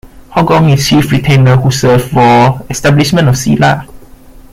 Hogong is chief retainer who served for establishment of Silla.